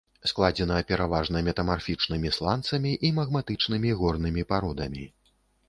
Складзена пераважна метамарфічнымі сланцамі і магматычнымі горнымі пародамі.